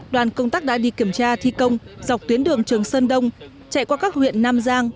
đoàn công tác đã đi kiểm tra thi công dọc tuyến đường trường sơn đông chạy qua các huyện nam giang